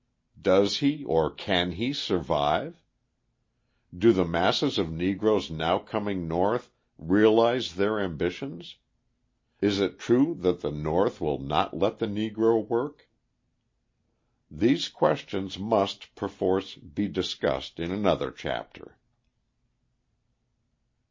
Does he, or can he, survive? Do the masses of Negroes now coming North realise their ambitions? Is it true that the North will not let the Negro work? These questions must, perforce, be discussed in another chapter.